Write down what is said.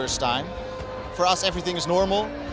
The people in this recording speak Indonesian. untuk kita semuanya normal